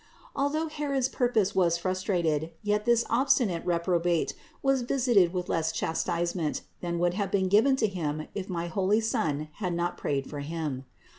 Although Herod's purpose was frustrated, yet this obstinate reprobate was visited with less chas tisement than would have been given to him if my holy Son had not prayed for him.